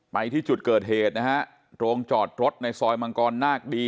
ไปที่จุดเกิดเหตุนะฮะโรงจอดรถในซอยมังกรนาคดี